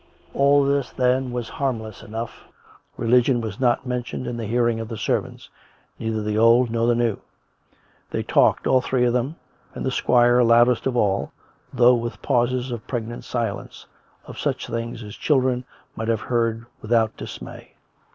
All this, then, was harmless enough. Religion was not mentioned in the hearing of the servants, neither the old nor the new; they talked, all three of them, and the squire loudest of all, though with pauses of pregnant silence, of such things as children might have heard without dismay.